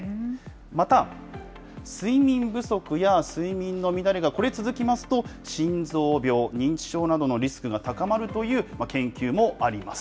また、睡眠不足や睡眠の乱れが続きますと、心臓病、認知症などのリスクが高まるという研究もあります。